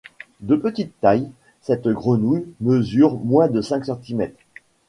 De petite taille, cette grenouille mesure moins de cinq centimètres.